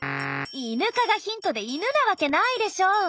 イヌ科がヒントでイヌなワケないでしょ！